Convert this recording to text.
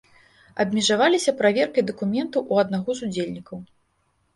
Абмежаваліся праверкай дакументаў у аднаго з удзельнікаў.